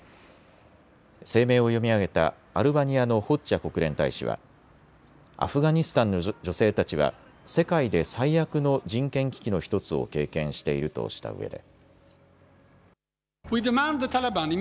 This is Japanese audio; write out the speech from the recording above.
声明を読み上げたアルバニアのホッジャ国連大使はアフガニスタンの女性たちは世界で最悪の人権危機の１つを経験しているとしたうえで。